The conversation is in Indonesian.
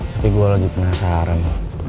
tapi gue lagi penasaran